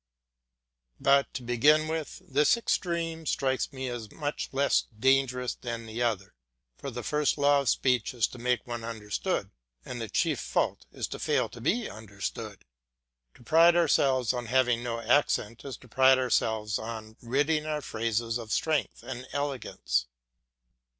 But, to begin with, this extreme strikes me as much less dangerous than the other, for the first law of speech is to make oneself understood, and the chief fault is to fail to be understood. To pride ourselves on having no accent is to pride ourselves on ridding our phrases of strength and elegance.